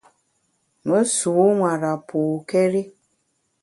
Me sû nwara pôkéri.